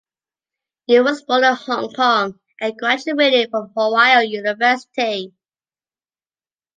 Yu was born in Hong Kong and graduated from Ohio University.